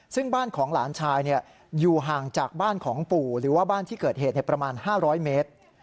ซึ่งบ้านของหลานชายอยู่ห่างจากบ้านของปู่หรือว่าบ้านที่เกิดเหตุประมาณ๕๐๐เมตร